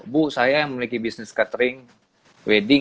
bu saya yang memiliki bisnis catering wedding